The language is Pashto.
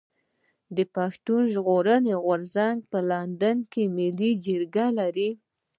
پښتون ژغورني غورځنګ په لندن کي ملي جرګه لري.